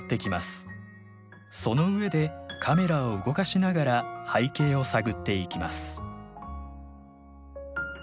その上でカメラを動かしながら背景を探っていきます